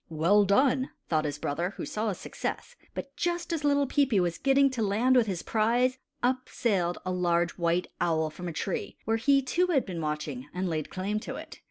"Well done!" thought his brother, who saw his success; but just as little Peepi was getting to land with his prize, up sailed a large white owl from a tree where he, too, had been watching, and laid claim to it.